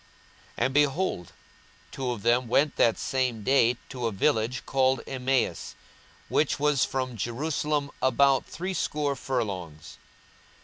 42:024:013 And, behold, two of them went that same day to a village called Emmaus, which was from Jerusalem about threescore furlongs.